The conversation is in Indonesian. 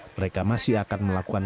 mereka masih akan melakukan